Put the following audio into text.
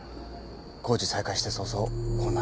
工事再開して早々こんな。